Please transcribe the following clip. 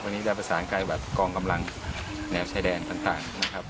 วันนี้ได้ประสานกายบัตรกองกำลังแนวชายแดนต่างนะครับ